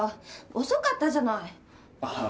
遅かったじゃないあぁ